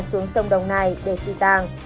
xuống sông đồng nai để phi tàng